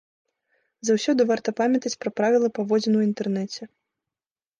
Заўсёды варта памятаць пра правілы паводзін у інтэрнэце.